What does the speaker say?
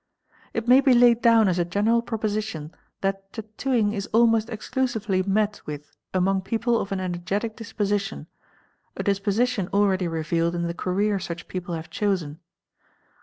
It may be laid down as a general proposition that tattooing is. almost exclusively met with among people of an energetic disposition, a disposi tion already revealed in the career such people have chosen.